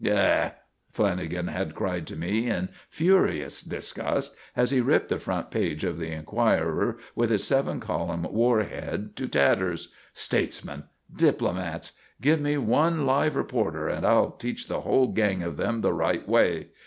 "Yah!" Lanagan had cried to me in furious disgust, as he ripped the front page of the Enquirer with its seven column war head to tatters, "Statesmen! Diplomats! Give me one live reporter, and I'll teach the whole gang of them the right way!